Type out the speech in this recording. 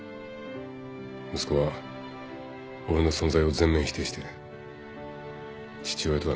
息子は俺の存在を全面否定して父親とは認めてない。